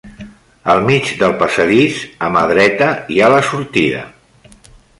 Al mig del passadís, a mà dreta hi ha la sortida.